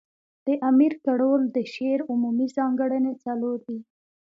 د امیر کروړ د شعر عمومي ځانګړني څلور دي.